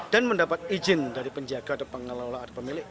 dan mendapat izin dari penjaga atau pengelola atau pemilik